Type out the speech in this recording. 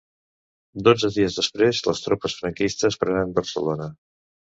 Dotze dies després les tropes franquistes prenen Barcelona.